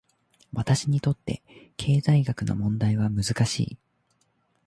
私にとって、経済学の問題は難しい。